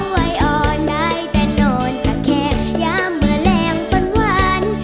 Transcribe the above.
ไว้อ่อนได้แต่โนนกับแค่อย่ำมือแรงพันวัน